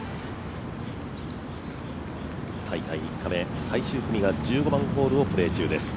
大会３日目、最終組が１５番ホールをプレー中です。